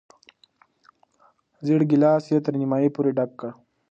زېړ ګیلاس یې تر نیمايي پورې ډک کړ.